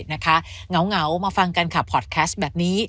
นะคะเงามาฟังกันค่ะพอร์ตแคร็สแบบนี้